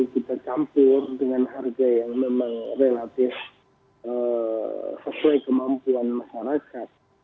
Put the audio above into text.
kita campur dengan harga yang memang relatif sesuai kemampuan masyarakat